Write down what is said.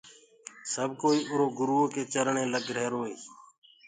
سب ڪوئی اُرو گروئو ڪي چرڻي لگ رهير۔